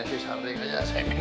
ah punya si sabrik aja saya minum